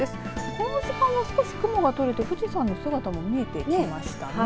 この時間、少し雲が取れて富士山の姿も見えてきました。